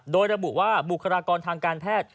โดยระบุว่าบุคลากรทางการแพทย์